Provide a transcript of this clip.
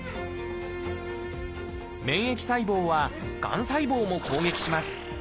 免疫細胞はがん細胞も攻撃します。